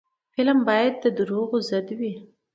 فلم باید د دروغو ضد وي